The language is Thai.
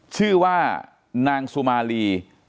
ชื่อว่านางสุมาลี